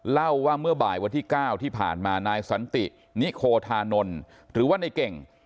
เล่าว่าเมื่อบ่ายวันที่๙ที่ผ่านมานายสันตินิโคธานนท์หรือว่าในเก่ง